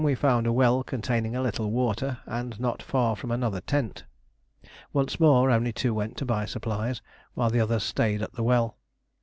we found a well containing a little water, and not far from another tent. Once more only two went to buy supplies, while the others stayed at the well.